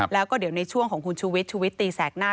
แล้วก็เดี๋ยวในช่วงของคุณชูวิทชุวิตตีแสกหน้า